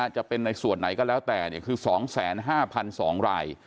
จะเป็นในส่วนไหนก็แล้วแต่คือ๒๕๒ราย